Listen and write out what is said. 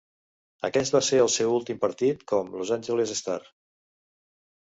Aquest va ser el seu últim partit com Los Angeles Stars.